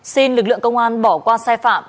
xin lực lượng công an bỏ qua sai phạm